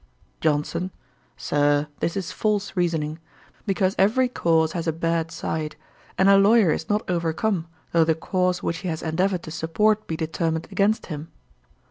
"' JOHNSON. 'Sir, this is false reasoning; because every cause has a bad side; and a lawyer is not overcome, though the cause which he has endeavoured to support be determined against him.'